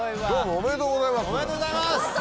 おめでとうございます！